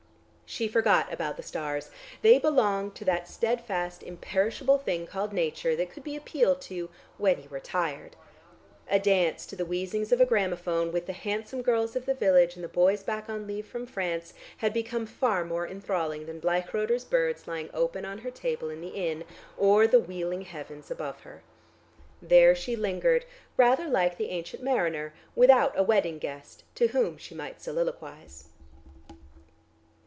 She forgot about the stars; they belonged to that steadfast imperishable thing called Nature that could be appealed to when you were tired. A dance to the wheezings of a gramophone, with the handsome girls of the village and the boys back on leave from France had become far more enthralling than Bleichroder's "Birds" lying open on her table in the inn, or the wheeling heavens above her. There she lingered, rather like the Ancient Mariner without a wedding guest to whom she might soliloquise.